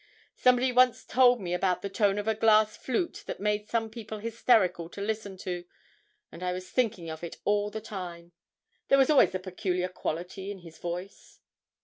Somebody once told me about the tone of a glass flute that made some people hysterical to listen to, and I was thinking of it all the time. There was always a peculiar quality in his voice.